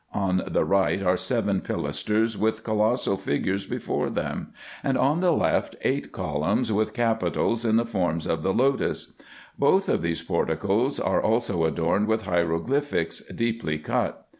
On the right are seven pilasters, with colossal figures before them ; and on the left eight columns, with capitals in the form of the lotus. Both of these porticoes are also adorned with hieroglyphics, deeply cut.